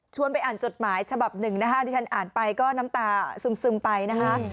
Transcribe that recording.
ไปอ่านจดหมายฉบับหนึ่งนะคะที่ฉันอ่านไปก็น้ำตาซึมไปนะคะ